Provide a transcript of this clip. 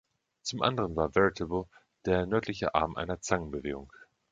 Zum anderen war „Veritable“ der nördliche Arm einer Zangenbewegung.